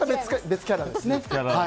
別キャラですね。